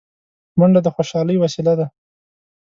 منډه د خوشحالۍ وسیله ده